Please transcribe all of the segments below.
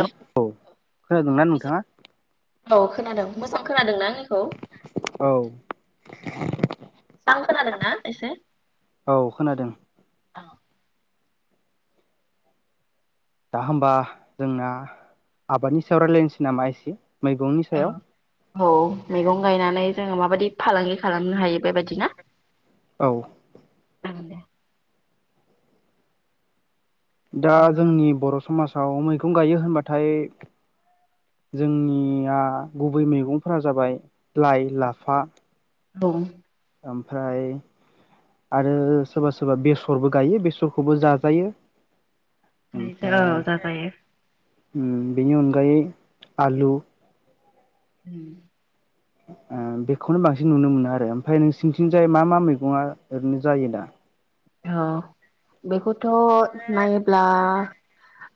औ औ खोनादोंना नोंथाङा? औ मोजां खोनादों ना आंनि औ। [inaudible] स्रां खोनादोंना एसे? औ खोनादों दा होमबा जोंना आबादनि सायाव रायलायनोसै नामा एसे? मैगंनि सायाव औ औ मैगं गायनानै जोङो माबादि फालांगि खालामनो हायो बेबायदि ना? औ। जागोन दे। दा जोंनि बर' समाज आव मैगं गायो होनबाथाय जोंनिया गुबै मैगंफोरा जाबाय लाइ लाफा औ। ओमफ्राय आरो सोरबा सोरबा बेसरबो गायो बेसरखौबो जाजायो। [unintelligible] औ जाजायो। उम बेनि अनगायै आलु। [inaudible] ओ बेखौनो बांसिन नुनो मोनो आरो ओमफाय नोंसिनिथिंजाय मा मा मैगंया ओरैनो जायोदा? औ बेखौथ' नायोब्ला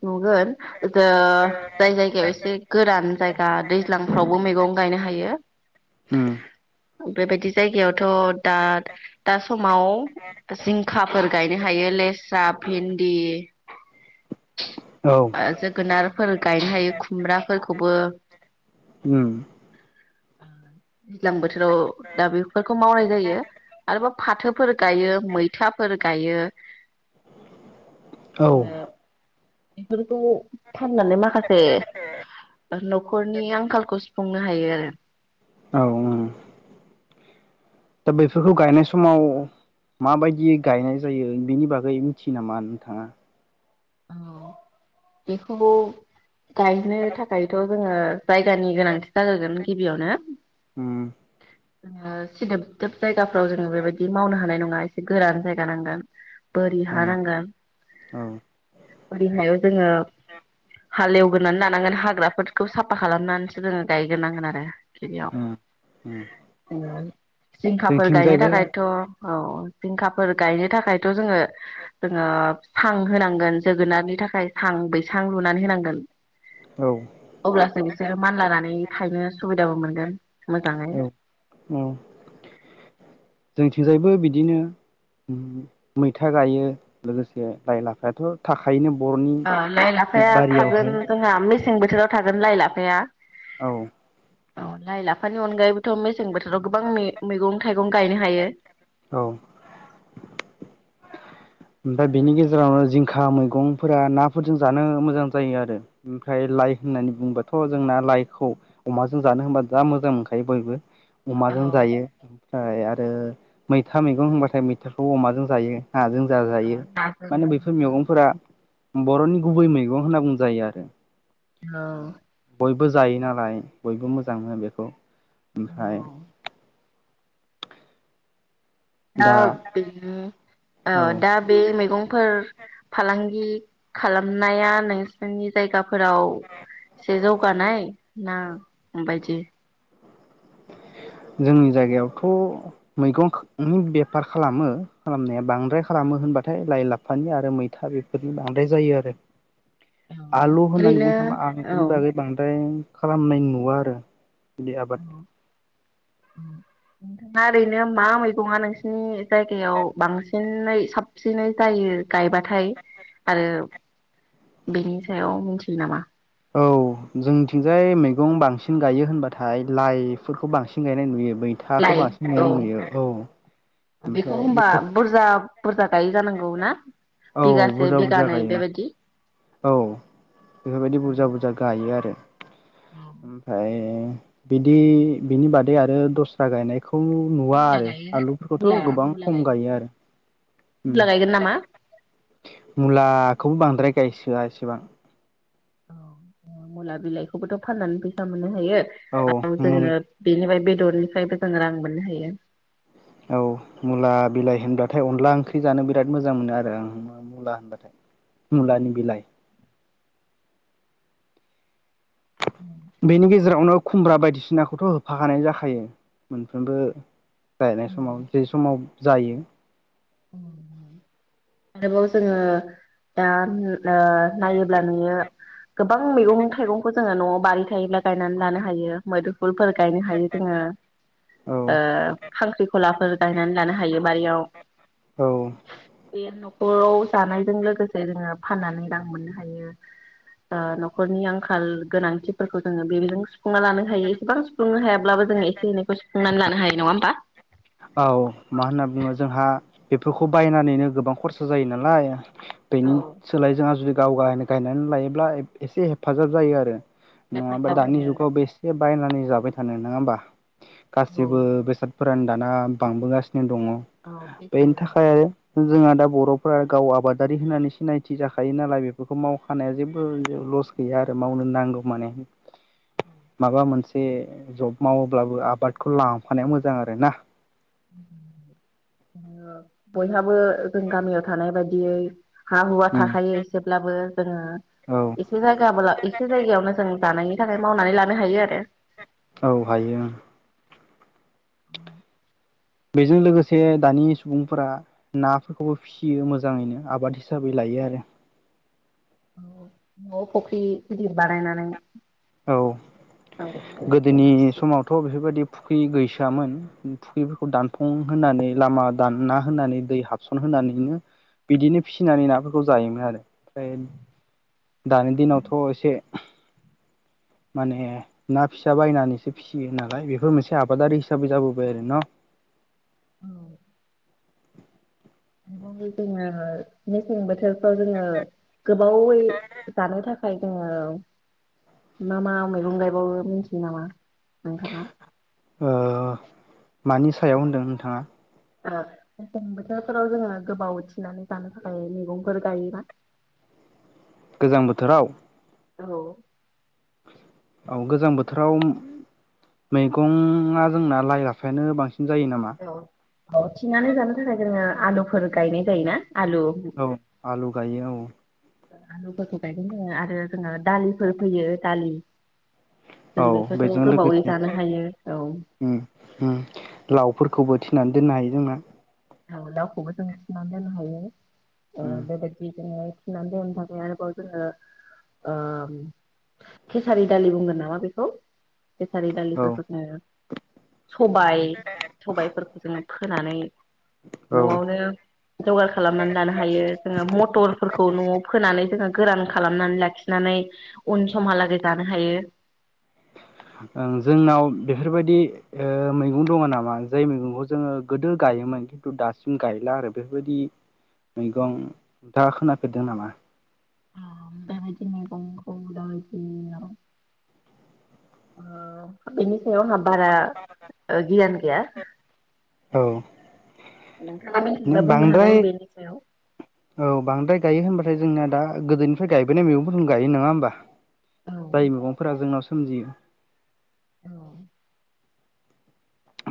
नुगोन जो जाय जायगायाव एसे गोरान जाय गा दैज्लांफ्रावबो मैगं गायनो हायो, उम बेबादि जायगायावथ' दा दा समाव जिं खाफोर गायनो हायो लेस्रा भिन दि। औ ओ जोगोनार फोर गायनो हायो खुमब्राफोरखौबो उम। [inaudible] दैज्लां बोथोराव दा बेफोरखौ मावनाय जायो, आरोबा फाथोफोर गायो मैथा गायो। औ [inaudible] बेफोरखौ फाननानै माखासे न'खरनि आंखालखौ सुफुंनो हायो आरो। औ ओं। दा बेफोरखौ गायनाय समाव माबायदि गायनाय जायो बेनि बागै मिथियो नामा नोंथाङा? औ बेखौ गायनो थाखायथ' जोङो जायगानि गोनांथि जाग्रोगोन गिबियावनो। [inaudible] जोङो सिदोब दोब जायगाफ्राव जोङो बेबायदि मावनो हानाय नङा एसे गोरान जायगा नांगोन। बोरि औ हा नांगोन। औ [unintelligible] जोङो हालेवग्रोनानै लानांगोन हाग्राफोर खौ साफा खालामनानैसो जोङो गायग्रोनांगोन आरो थिलियाव उम उम जिंखाफोर गायनो जोंथिंजायबो थाखायथ' औ जिंखाफोर गायनो थाखायथ' जोङो जोङो सां होनां गोन जोगोनारनि थाखाय सां बैसां लुनानै होनांगोन औ अब्लासो बिसोरो मानलानानै थायनो सुबिदाबो मोनगोन मोजाङै औ औ [unintelligible] थिंजायबो बिदिनो ओम मैथा गायो लोगोसे लाइ लाफायाथ' थाखोयोनो ओ लाइ लाफाया थागोन जोंहा मेसें बोथोराव थागोन लाइ लाफाया औ अ लाइ लाफानि अनगायैबोथ' मेसें बोथोराव गोबां मे-मैगं थाइग गं गायनो हायो औ ओमफ्राय बेनि गेजेरावनो जिंखा मैगंफोरा नाफोरजों जानो मोजां जायो आरो ओमफ्राय लाइ होननानै बुङोबाथ' जोंना लाइखौ अमाजों जानो होनबा जा मोजां मोनखायो बयबो औ अमाजों जायो ओमफ्राय आर आरो मैथा मैगं होनबाथाय मैथाखौ अमाजों जायो नाजों जा औ जायो नाजों माने बैफोर मोजां मैगंफोरा बर'नि गुबै मैगं होनना बुंजायो आरो माने औ बय बो जायो नालाय बयबो मोजां मोनो बेखौ ओमफाय दा बे दिनो औ दा बे मैगंफोर फालांगि खालामनाया नोंसोरनि जायगा फोराव एसे जौगानाय ना माबायदि जोंनि जायगायावथ' मैगंनि बेफार खालामो खालामनाया बांद्राय खालामो होनबाथाय लाइ लाफानि आरो मैथा बेफोरनि बांद्राय जायो आरो आलु होननानै ओरैनो बुंनो थांबा औ आलुनि बागै बांद्राय खालामनाय नुवा आरो बिदि आबाद नोंथाङा ओरैनो मा मैगङा नोंसिनि जायगायाव बांसिनै साबसिनै जायो? गायबाथाय आरो बेनि सायाव मिथियो नामा? औ जोंनिथिंजाय मैगं बांसिन गायो होनबाथाय लाइफोरखौ बांसिन गायनाय नुयो मैथाखौ लाइ बांसिनै औ नुयो औ। बेखौ ओमफ्राय होनबा बेफोरखौ बुरजा बुरजा गायै जानांगौ ना औ बिगासे बुरजा बुरजा बिगानै गायो बेबायदि औ बेफोरबायदि बुरजा बुरजा गायो आरो औ ओमफ्राय बिदि बिनि बादै आरो दस्रा गायनाय खौ नुवा मुला आरो गायोना आलु मुला मुला गायगोन उम मुला गायगोन नामा मुलाखौबो बांद्राय गायसोआ एसेबां औ मुला बिलाइखौबोथ' फाननानै फैसा मोनो औ आरो मुल जोङो बेनिफ्राय बेदरनिफ्रायबो जोङो रां मोननो हायो [inaudible] औ मुला बिलाइ होनबाथाय अनला ओंख्रि जानो बिराद मोजां मोनो आरो आं मुला होनबाथाय मुलानि बिलाइ बेनि गेजेरावनो खुमब्रा बायदिसिनाखौथ' होफाखानाय जाखायो मोनफ्रोमबो गायनाय समाव जे समाव जायो आरोबाव जोङो दा ओ नायोब्ला नोयो गोबां मैगं थाइगंखौ जोङो न'आव बारि थायोब्ला गायनानै लानो हायो मोदोम फुलफोर गायनो हायो जोङो औ ओ खांख्रिखलाफोर गायनानै लानो हायो बारियाव औ बे न'खराव जानायजों लोगोसे जोङो फाननानै रां मोननो हायो न'खरनि आंखाल गोनांथिफोरखौ जोङो बेजों सुफुंना लानो हायो एसेबां सुफुंनो हाया ब्लाबो जों एसे एनैखौ सोंनानै लानो हायो नङा होमबा औ मा होनना बुङो जोंहा बेफोरखौ बायनानैनो गोबां खरसा जायो नालाय बेनि औ सोलाय जोंहा जुदि गाव गावनो गायनानै लायोब्ला एसे हेफाजाब जायो आरो नङाबा हेफाजाब दानि होयो जुगाव बेसे बायनानानै जाबाय थानो नङा होमबा गासिबो बेसादफोरानो दा ना बांबोगासिनो दङ औ बे बेनि थाखाय आरो जोंहा दा ब बर'फ्रा गाव आबादारि होननानै सिनायथि जाखायो नालाय बेफोरखौ मावखानाया जेबो लस गैया आरो मावनो नांगौ माने माबा मोनसे ए जब मावोब्लाबो आबादखौ लांफानाया मोजां आरो ना बयहाबो जों गामियाव थानाय बायदियै हा हुवा उम थाखायो एसेब्लाबो जोङो औ एसे जायगाब एसे जायगायावनो जों जानायनि थाखाय मावनानै लानो हायो आरो औ हायो उम। बेजों लोगोसे दानि सुबुंफोरा नाफोरखौबो फिसियो मोजाङैनो आबाद हिसाबै लायो आरो। न'आव फुख्रि गिदिर बानायनानै औ जावनानै गोदोनि ना फिसियो। समावथ' बेफोरबायदि फुख्रि गैसोआमोन फुख्रिफोरखौ दानफ्लं होनानै लामा दानना होनानै दै हाबसन होनानैनो बिदिनो फिसिनानै नाफोरखौ जायोमोन आरो। ओमफ्राय दानि दिनावथ' एसे माने ना फिसा बायनानैसो फिसियो नालाय बेफोर मोनसे आबादारि हिसाबै जाबोबाय आरो ना। जोङो मेसें बोथोरफ्राव जोङो गोबावै जानो थाखाय जोङो मा मा मैगं गायबावो मिथियो नामा नोंथाङा। ओ मानि सायाव होनदों नोंथाङा? मेसें बोथोरफोराव जोङो गोबाव थिनानै जानो थाखाय मैगंफोर गायोबा। दैज्लां बोथोराव? औ। औ गोजां बोथोराव मैगंआ जोंना लाइ लाफायानो बांसिन जायो नामा औ औ थिनानै जानो थाखाय जोङो आलुफोर गायनाय जायोना आलु औ आलु गायो औ। आलुफोरखौ गायदों आरो जोङो दालिफोर फैयो दालि औ जों बेफोरखौ बेजों गोबावै लोगोसे जानो हायो औ लावफोर खौबो थिनानै दोननो हायो जोंना लावखौबो जों दोननो हायो। उम बेबादि जोंङो। थिनानै दोननो थाखाय आरोबाव जोङो केसारि दालि बुंगोन नामा बेखौ औ दालिफोरखौ जों सबाय सबायाइफोरखौ जोङो फोनानै औ न'आवनो जगार खालामनानै लानो हायो जोङो मटरफोरखौ न'आव फोनानै जोङो गोरान खालामनानै लाखिनानै उन समहालागै जानो हायो ओं जोंनाव बेफोरबायदि ओ मैगं दङ नामा जाय मैगंखौ जोङो गोदो गायोमोन खिन्थु दासिम गायला आरो बेफोरबायदि मैगं दा खोनाफेरदों नामा। बेबादि मैगंखौ दाबायदियाव ओ आंहा बारा गियान गैया। औ। नोंथाङा माने दा बुंनो बांद्राय हागोन बेनि सायाव- औ बांद्राय गायो होनबाथाय जोंना दा गोदोनिफ्राय गायबोनाय मैगंफोरखौ गायो नङा होमबा जाय मैगंफोरा जोंनाव सोमजियो औ।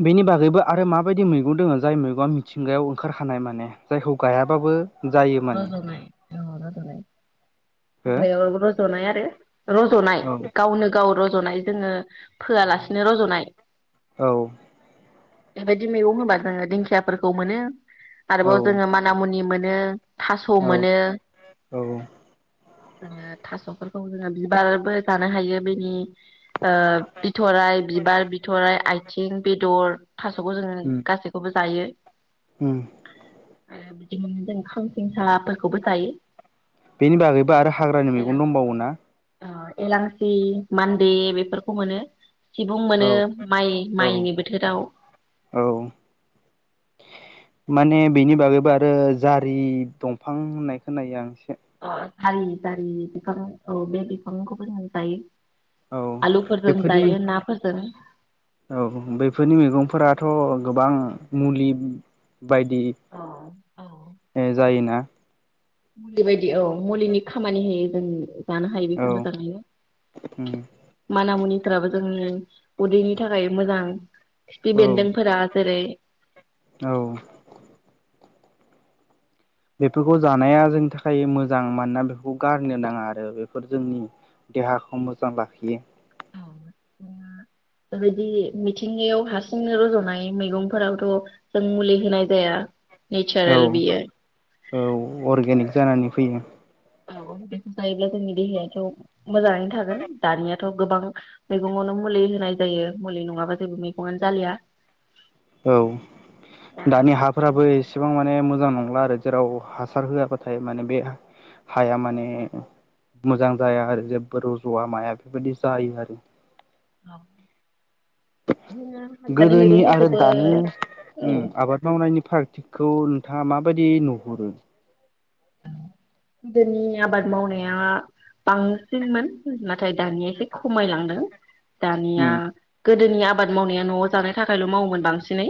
बेनि बागैबो आरो माबायदि मैगं दङ जाय मैगंआ मिथिंगायाव ओंखारखानाय माने जायखौ गायाबाबो। जायो माने रज'नाय औ रज'नाय। हो हाग्रायाव रज'नाय आरो रज'नाय औ गावनो गाव रज' रज'नाय जोङो फोआलासिनो रज'नाय। औ। बेबायदि मैगं होबा जोङो दिंखियाफोरखौ मोनो। आरोबाव औ जोङो मानामुनि मो नो। थास' औ मोनो। औ थास'फोरखौ जोङो बिबारबो जानो हायो बेनि ओ बिथ'राय, बिबार, बिथ'राय, आइथिं, बेदर थास'खौ जोङो उम गासैखौबो जायो। उम। [inaudible] फेंखाफोरखौबो जायो। बेनि बागैबो आरो हाग्रानि मैगं दंबावोना? एलांसि, मान्दे बेफोरखौ मोनो। सिबुं मोनो औ माइ औ माइनि बोथोराव। औ माने बेनि बागैबो आरो जारि दंफां होननाय खोनायो आं। ओ जारि जारि बिफां औ बे बिफांखौबो जों जायो। औ आलुफोरजों बेफोरनि जायो नाफोरजों औ बेफोरनि मैगंफोरा थ' गोबां मुलि बायदि औ ओ जायोना। मुलि बायदि औ मुलिनि खामानि होयो जोंनि जानो हायो औ बेखौ मोजाङैनो। उम माना मुनिफ्राबो जोंनि उदैनि थाखाय मोजां खिफि औ बेन्दोंफोरा जेरै औ बेफोरखौ जानाया जोंनि थाखाय मोजां मानोना बेफोरखौ गारनो नाङा आरो बेफोर जोंनि देहाखौ मोजां लाखियो। बेबायदि मिथिंगायाव हारसिंनो रज'नाय मैगंफोरावथ' जों मुलि होनाय जाया। औ नेचारेल बियो। औ अरगेनिक जानानै फैयो। औ बेखौ जायोब्ला जोंनि देहायाथ' मोजाङैनो थागोन दानिया थ' गोबां मैगङावनो मुलि होनाय जायो मुलि नङाबा जेबो मैगङानो जालिया। औ दानि हाफोराबो एसेबां माने मोजां नंला आरो जेराव हासार होआबाथाय माने बे हाया माने मोजां जाया आरो जेबो रज'वा माया बेफोरबायदि जायो आरो। औ। गोदोनि आरो मैगंफोरखौबो दानि औ उम आबाद मावनायनि फार थिकखौ नोंथाङा माबायदि नुहरो? गोदोनि आबाद मावनाया बांसिनमोन नाथाय दानिया एसे खमायलांदों। दानिया उम गोदोनि आबाद मावनाया नआव जानाय थाखायल मावोमोन बांसिनै।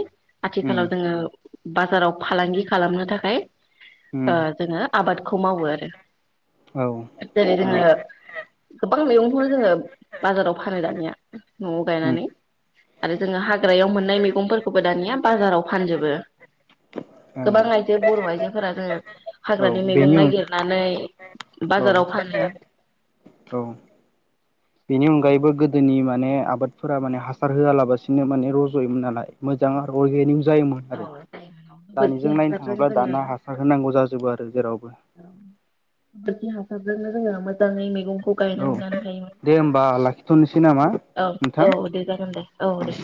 उम आथिखालाव जोङो बाजाराव फालांगि खालामनो थाखाय उम ओ जोङो आबाद खौ मावो आरो। औ जेरै उम जोङो गोबां मैगंखौ जोङो बाजाराव फानो दानिया। नआव उम गायनानै आरो जोङो हाग्रायाव मोननाय मैगंफोरखौबो दानिया बाजाराव फानजोबो ओं गोबां आइजो बर आइजोफोरा जोङो औ हाग्रानि मैगं। बेनि उन नागिरनानै औ बाजाराव फानो औ बेनि अन अनगायैबो गोदोनि माने आबादफोरा माने हासार होआलाबसिनो माने रजयोमोन नालाय मोजां आरो अर्गेनिक जायोमोन आरो गोबोरखि दानिजों नायनो हासारजों थाङोब्ला जोङो दानया हासार होनांगौ जाजोबो आरो जेरावबो। [unintelligible] मोजाङै मैगं। खौ औ गायनानै लानो हायोमोन दे होमबा लाखिथ'नोसै नामा औ नोंथां औ दे जागोन दे औ दे।